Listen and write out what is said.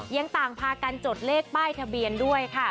ยังต่างพากันจดเลขป้ายทะเบียนด้วยค่ะ